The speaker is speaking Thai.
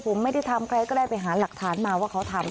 ผมไม่ได้ทำใครก็ได้ไปหาหลักฐานมาว่าเขาทำ